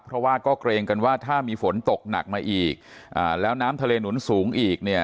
เพราะว่าก็เกรงกันว่าถ้ามีฝนตกหนักมาอีกอ่าแล้วน้ำทะเลหนุนสูงอีกเนี่ย